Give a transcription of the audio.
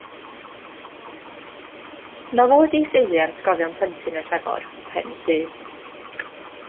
Nofel wedi'i seilio ar atgofion plentyn yn Nhrefor, Pen Llŷn.